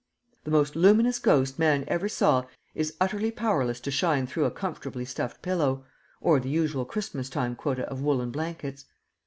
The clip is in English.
The most luminous ghost man ever saw is utterly powerless to shine through a comfortably stuffed pillow, or the usual Christmas time quota of woollen blankets.